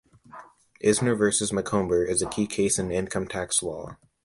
"Eisner versus Macomber" is a key case in income tax law.